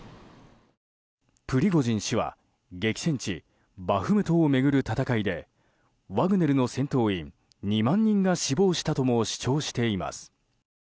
プリゴジン氏は激戦地バフムトを巡る戦いでワグネルの戦闘員２万人が死亡したとも主張しています。